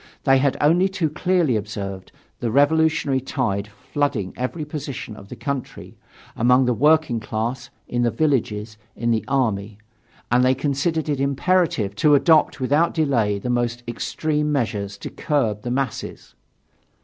They had only too clearly observed the revolutionary tide flooding every portion of the country, among the working class, in the villages, in the army; and they considered it imperative to adopt without any delay the most extreme measures to curb the masses.